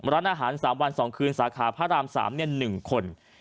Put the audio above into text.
ร้านอาหาร๓วัน๒คืนสาขาพระราม๓๑คน